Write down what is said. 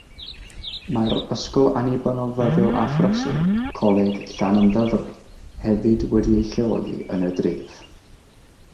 Mae'r ysgol annibynnol ddyddiol a phreswyl Coleg Llanymddyfri hefyd wedi'i lleoli yn y dref.